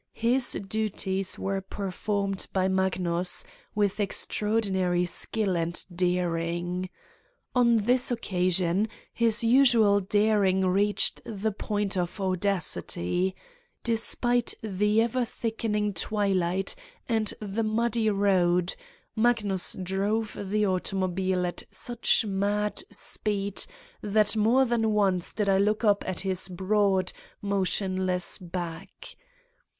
His du ties were performed by Magnus, with extraordin ary skill and daring. On this occasion, his usual daring reached the point of audacity : despite the ever thickening twilight and the muddy road, Magnus drove the automobile at such mad speed that more than once did I look up at his broad, motionless back.